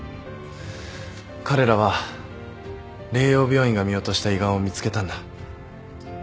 彼らは麗洋病院が見落とした胃がんを見つけたんだ。